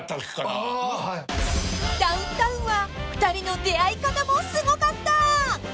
［ダウンタウンは２人の出会い方もすごかった！］